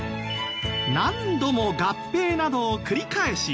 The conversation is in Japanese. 何度も合併などを繰り返し